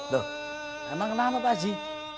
loh emang kenapa pak ji